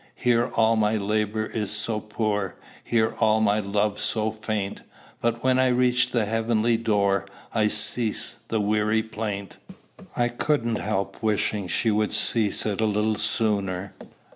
"'Here all my labor is so poor! Here all my love so faint! But when I reach the heavenly door, I cease the weary plaint.'" I couldn't help wishing she would cease it a little sooner.